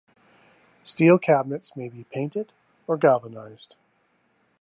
Steel cabinets may be painted or galvanized.